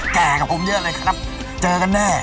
แก่กับผมเยอะเลยครับเจอกันแน่